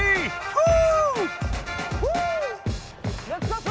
フー！